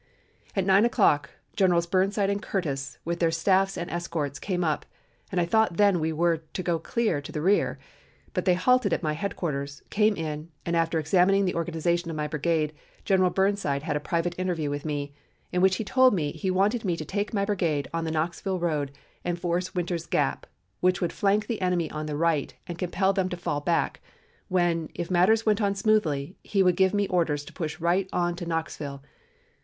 "At nine o'clock Generals Burnside and Curtis, with their staffs and escorts, came up and I thought then we were to go clear to the rear. But they halted at my headquarters, came in, and after examining the organization of my brigade, General Burnside held a private interview with me, in which he told me he wanted me to take my brigade on the Knoxville road and force Winter's Gap, which would flank the enemy on the right and compel them to fall back, when, if matters went on smoothly, he would give me orders to push right on to Knoxville.